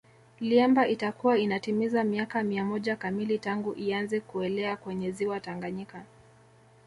Liemba itakuwa inatimiza miaka mia moja kamili tangu ianze kuelea kwenye Ziwa Tanganyika